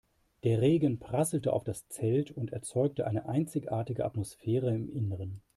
Der Regen prasselte auf das Zelt und erzeugte eine einzigartige Atmosphäre im Innern.